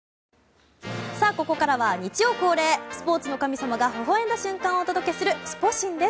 ここからは日曜恒例スポーツの神様がほほ笑んだ瞬間をお届けするスポ神です。